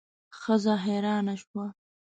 ښځه حیرانه شوه.